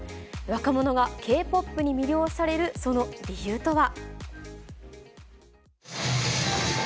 若者がＫ−ＰＯＰに魅了されるその理由とは。